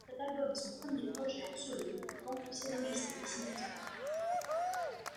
Cet album est son premier projet en solo, en tant que scénariste et dessinateur.